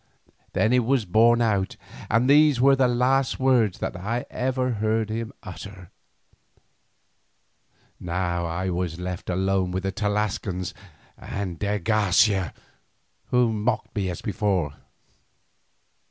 Then he was borne out and these were the last words that I ever heard him utter. Now I was left alone with the Tlascalans and de Garcia, who mocked me as before.